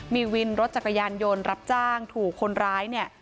มีวินรถจักรยานยนต์รับจ้างถูกคนร้ายเนี่ย